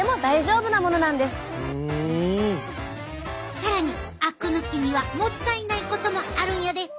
更にあく抜きにはもったいないこともあるんやで。